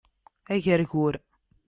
Agergur